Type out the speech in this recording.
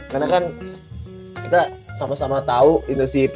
karena kan kita sama sama tau indonesia patriots